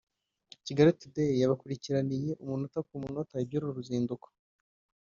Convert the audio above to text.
Kigali Today yabakurikiraniye umunota ku munota iby’uru ruzinduko